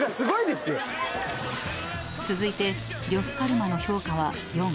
［続いて呂布カルマの評価は４］